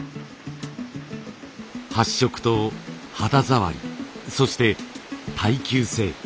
発色と肌触りそして耐久性。